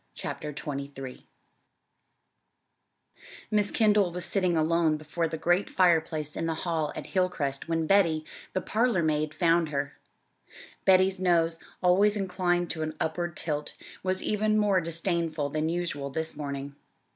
CHAPTER XXIII Miss Kendall was sitting alone before the great fireplace in the hall at Hilcrest when Betty, the parlor maid, found her. Betty's nose, always inclined to an upward tilt, was even more disdainful than usual this morning.